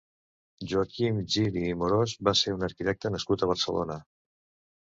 Joaquim Gili i Morós va ser un arquitecte nascut a Barcelona.